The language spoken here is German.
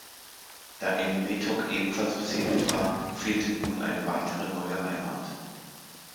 Da Eniwetok ebenfalls besiedelt war, fehlte nun eine weitere neue Heimat.